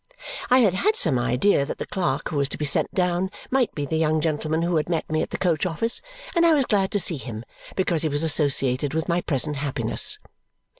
I had had some idea that the clerk who was to be sent down might be the young gentleman who had met me at the coach office, and I was glad to see him, because he was associated with my present happiness.